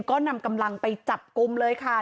ก็นำกำลังไปจับกลุ่มเลยค่ะ